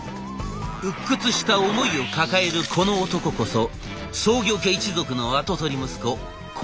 鬱屈した思いを抱えるこの男こそ創業家一族の跡取り息子小林一俊。